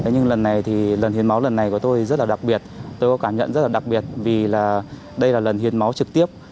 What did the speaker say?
nhưng lần này thì lần hiến máu lần này của tôi rất là đặc biệt tôi có cảm nhận rất là đặc biệt vì là đây là lần hiến máu trực tiếp